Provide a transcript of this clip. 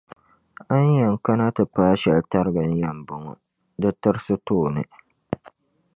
A ni yɛn kana ti paai shɛli tariga n-yɛn bɔŋɔ; di tirisi tooni.